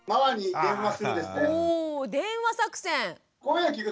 お電話作戦。